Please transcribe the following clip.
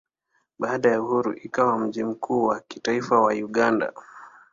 Baada ya uhuru ikawa mji mkuu wa kitaifa wa Uganda.